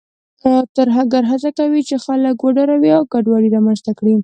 ترهګر هڅه کوي چې خلک وډاروي او ګډوډي رامنځته کړي.